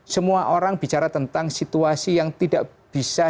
semua orang bicara tentang situasi yang tidak bisa